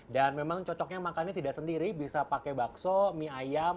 dan memang cocoknya makan tidak sendiri bisa pakai bakso mie ayam